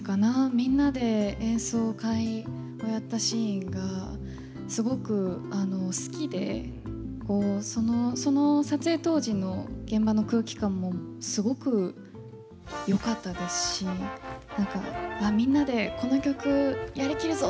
みんなで演奏会をやったシーンがすごく好きでその撮影当時の現場の空気感もすごくよかったですし何かみんなでこの曲やりきるぞ！